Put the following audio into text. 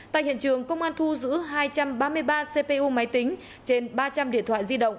tại hiện trường công an thu giữ hai trăm ba mươi ba cpu máy tính trên ba trăm linh điện thoại di động